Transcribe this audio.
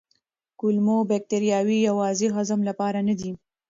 کولمو بکتریاوې یوازې هضم لپاره نه دي.